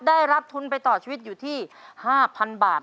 ได้รับทุนไปต่อชีวิตอยู่ที่๕๐๐๐บาท